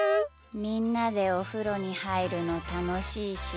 みんなでおふろにはいるのたのしいし。